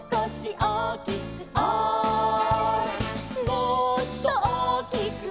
「もっと大きく」